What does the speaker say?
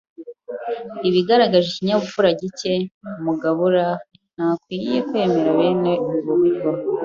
ibigaragaje ikinyabupfura gike, umugabura ntakwiriye kwemera bene ubwo buryo